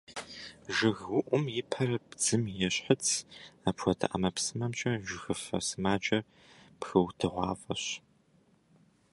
ЖыгыуӀум и пэр бдзым ещхыц, апхуэдэ ӀэмэпсымэмкӀэ жыгыфэ сымаджэр пхыудыгъуафӀэщ.